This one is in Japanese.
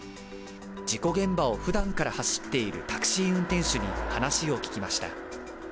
事故現場をふだんから走っているタクシー運転手に話を聞きました。